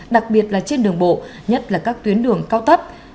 đặc biệt là trên đường bộ nhất là các tuyến đường cao tốc